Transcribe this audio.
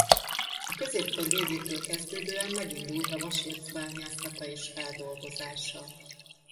A középkor végétől kezdődően megindult a vasérc bányászata és feldolgozása.